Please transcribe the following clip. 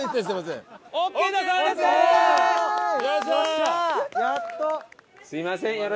すみません。